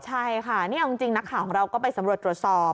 ใช่ค่ะนี่เอาจริงนักข่าวของเราก็ไปสำรวจตรวจสอบ